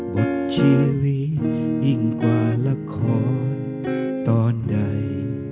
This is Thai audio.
บทชีวิตยิ่งกว่าละครตอนใด